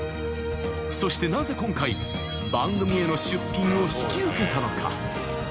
［そしてなぜ今回番組への出品を引き受けたのか］